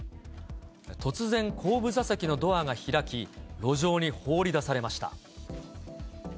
突然、後部座席のドアが開き、路上に放り出されました。